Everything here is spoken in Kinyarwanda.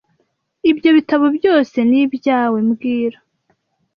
Ibyo bitabo byose ni ibyawe mbwira